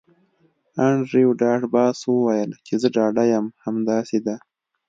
انډریو ډاټ باس وویل چې زه ډاډه یم همداسې ده